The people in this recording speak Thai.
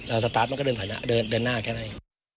เราสตาร์ทมันก็เดินหน้าแค่นี้